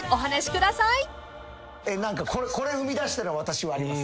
「これ生み出したの私」はあります？